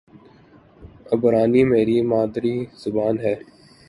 عبرانی میری مادری زبان ہے